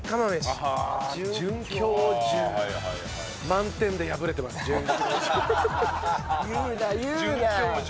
満点で敗れてます准教授。